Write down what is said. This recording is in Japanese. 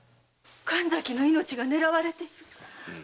神崎の命が狙われている？